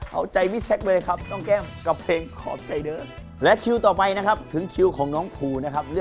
เหมือนฟังเพลงเชฟบ้าอยู่